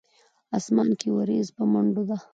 اسمان کښې وريځ پۀ منډو ده